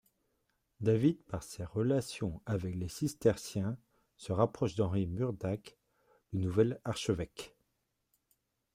David, par ses relations avec les cisterciens, se rapproche d'Henri Murdac, le nouvel archevêque.